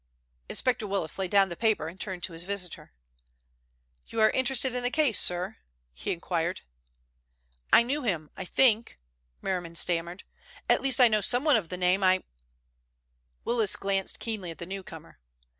Inspector Willis laid down the paper and turned to his visitor. "You are interested in the case, sir?" he inquired. "I knew him, I think," Merriman stammered. "At least I know someone of the name. I—" Willis glanced keenly at the newcomer.